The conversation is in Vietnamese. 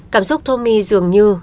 cảm xúc tommy dường như